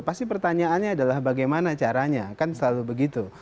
pasti pertanyaannya adalah bagaimana caranya kan selalu begitu